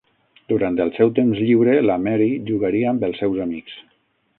Durant el seu temps lliure la Mary jugaria amb els seus amics.